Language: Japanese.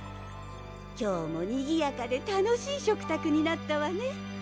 今日もにぎやかで楽しい食卓になったわね